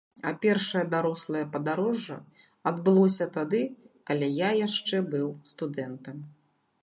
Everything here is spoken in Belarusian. А першае дарослае падарожжа адбылося тады, калі я яшчэ быў студэнтам.